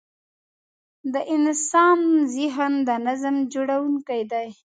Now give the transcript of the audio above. د انسان ذهن د نظم جوړوونکی دی.